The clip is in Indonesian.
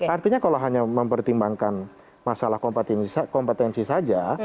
artinya kalau hanya mempertimbangkan masalah kompetensi saja